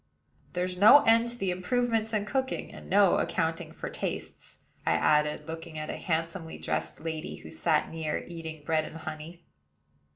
"There's no end to the improvements in cooking, and no accounting for tastes," I added, looking at a handsomely dressed lady, who sat near, eating bread and honey.